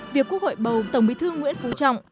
việc quốc hội bầu tổng bí thư nguyễn phú trọng